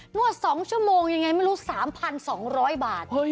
งวด๒ชั่วโมงยังไงไม่รู้๓๒๐๐บาท